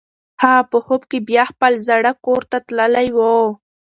هغه په خوب کې بیا خپل زاړه کور ته تللې وه.